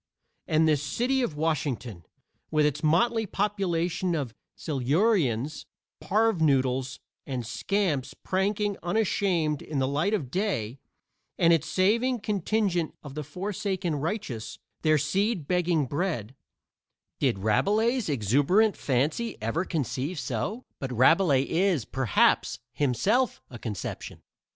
And this city of Washington, with its motley population of silurians, parvenoodles and scamps pranking unashamed in the light of day, and its saving contingent of the forsaken righteous, their seed begging bread, did Rabelais' exuberant fancy ever conceive so but Rabelais is, perhaps, himself a conception.